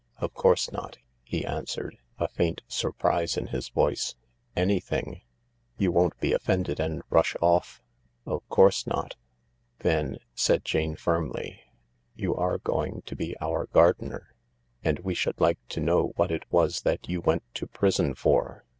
" "Of course not," he answered, a faint surprise in his voice. Anything .." You won't be offended and rush off ?"" Of course not." "Then," said Jane firmly, "you are going to be our gardener, and we should like to know what it was that you went to prison for."